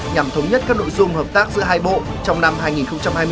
nhằm thống nhất các nội dung hợp tác giữa hai bộ trong năm hai nghìn hai mươi bốn